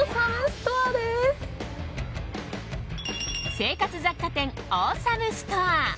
生活雑貨店、オーサムストア。